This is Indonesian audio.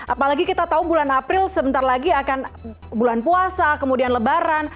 apalagi kita tahu bulan april sebentar lagi akan bulan puasa kemudian lebaran